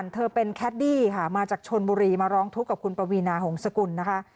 เธอเป็นแคดดี้ค่ะมาจากชนบุรีมาร้องทุกข์กับคุณปวีนาหงษกุลนะคะ